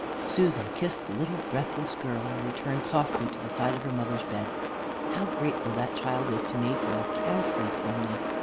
Susan kissed the little breathless girl, and returned softly to the side of her mother's bed. "How grateful that child is to me for a cowslip only!